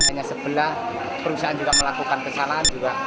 hanya sebelah perusahaan juga melakukan kesalahan juga